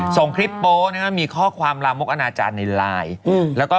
ส่งคลิปโป๊ะมีข้อความลามกอนาจารย์ในไลน์